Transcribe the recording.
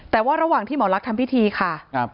แต่ว่าระหว่างที่หมอลักษณ์ทำพิธีค่ะ